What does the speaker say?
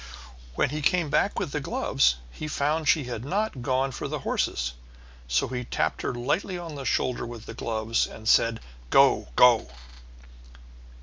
But when he came back with the gloves he found she had not gone for the horses; so he tapped her lightly on the shoulder with the gloves, and said, "Go, go."